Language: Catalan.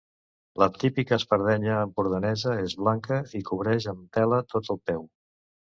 La típica espardenya empordanesa és blanca i cobreix amb tela tot el peu.